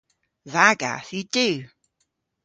Dha gath yw du.